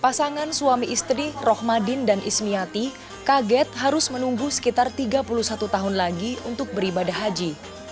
pasangan suami istri rohmadin dan ismiati kaget harus menunggu sekitar tiga puluh satu tahun lagi untuk beribadah haji